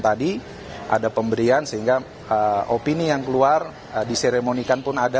tadi ada pemberian sehingga opini yang keluar diseremonikan pun ada